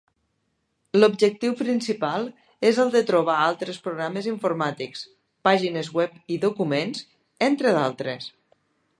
L'objectiu principal és el de trobar altres programes informàtics, pàgines web i documents, entre d'altres.